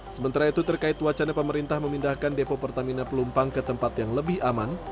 sementara itu terkait wacana pemerintah memindahkan depo pertamina pelumpang ke tempat yang lebih aman